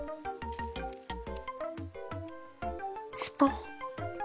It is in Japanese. スポン。